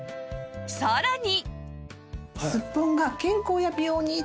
さらに